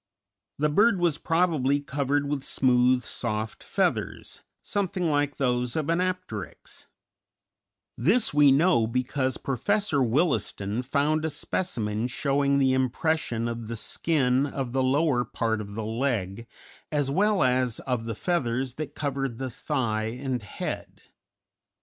The bird was probably covered with smooth, soft feathers, something like those of an Apteryx; this we know because Professor Williston found a specimen showing the impression of the skin of the lower part of the leg as well as of the feathers that covered the "thigh" and head.